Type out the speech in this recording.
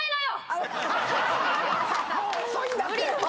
もう遅いんだって！